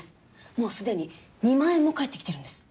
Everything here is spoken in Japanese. もうすでに２万円も返ってきてるんです。